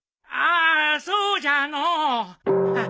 ああそうじゃのお。